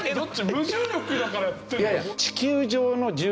無重力だからやってんの？